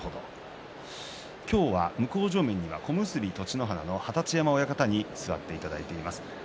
今日は向正面には小結栃乃花の二十山親方に座っていただいています。